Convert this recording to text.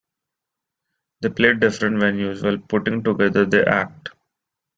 They played different venues while putting together their act.